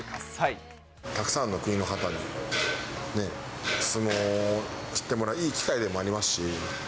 たくさんの国の方に、相撲を知ってもらえるいい機会でもありますし。